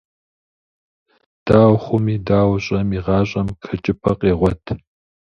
Дауэ хъуми, дауэ щӏэми, гъащӏэм хэкӏыпӏэ къегъуэт.